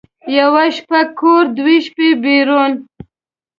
یوه شپه کور، دوه شپه بېرون.